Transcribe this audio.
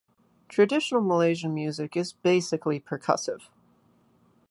Traditional Malaysian music is basically percussive.